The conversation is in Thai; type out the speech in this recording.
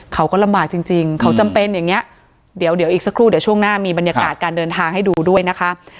เขาก็ลำบากจริงจริงเขาจำเป็นอย่างเงี้ยเดี๋ยวเดี๋ยวอีกสักครู่เดี๋ยวช่วงหน้ามีบรรยากาศการเดินทางให้ดูด้วยนะคะ